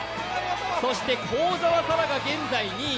そして幸澤沙良が現在２位。